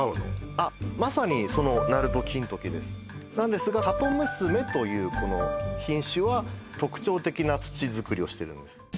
あっまさにそのなると金時ですなんですが里むすめというこの品種は特徴的な土作りをしてるんです